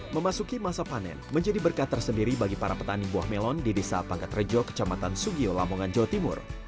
memasuki masa panen menjadi berkat tersendiri bagi para petani buah melon di desa pangkat rejo kecamatan sugio lamongan jawa timur